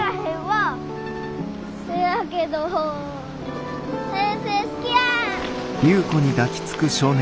せやけど先生好きや！